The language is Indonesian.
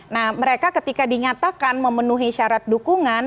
nah mereka ketika dinyatakan memenuhi syarat dukungan